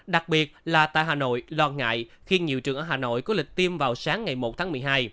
đặc biệt là tại hà nội lo ngại khi nhiều trường ở hà nội có lịch tiêm vào sáng ngày một tháng một mươi hai